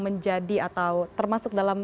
menjadi atau termasuk dalam